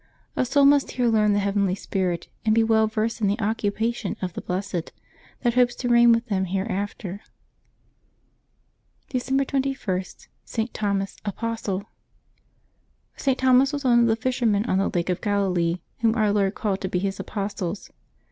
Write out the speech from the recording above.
A soul must here learn the heavenly spirit, and be well versed in the occupa tions of the blessed, that hopes to reign with them here after. December 21.— ST. THOMAS, Apostle. [t. Thomas was one of the fishermen on the Lake of Galilee whom Our Lord called to be His apostles.